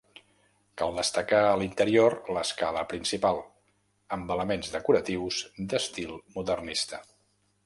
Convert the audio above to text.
Cal destacar a l'interior l'escala principal, amb elements decoratius d'estil modernista.